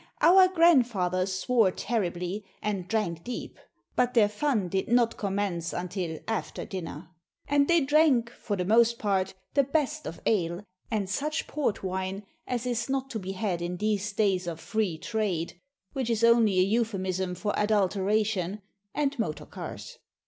Our grandfathers swore terribly, and drank deep; but their fun did not commence until after dinner. And they drank, for the most part, the best of ale, and such port wine as is not to be had in these days of free trade (which is only an euphemism for adulteration) and motor cars.